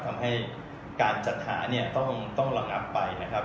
ทำให้การจัดหาเนี่ยต้องระงับไปนะครับ